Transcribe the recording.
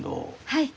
はい。